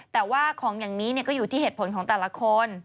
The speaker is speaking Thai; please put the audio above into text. แต่ว่าของอย่างนี้ก็อยู่ที่เหตุผลของแต่ละคน